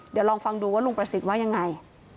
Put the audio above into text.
เดี๋ยวลองฟังดูว่าลุงประสิทธิ์ว่ายังไง